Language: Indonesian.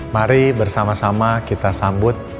mari bersama sama kita sambut